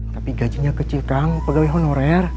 tapi gajinya kecil kang pegawai honorer